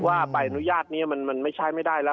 ว่าใบอนุญาตนี้มันไม่ใช่ไม่ได้แล้ว